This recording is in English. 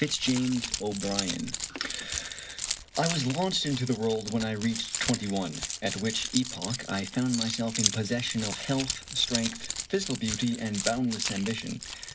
TAe Bohemian I WAS launched into the world when I reached twenty one, at which epoch I found myself in possession of health, strength, physical beauty, and boundless ambition.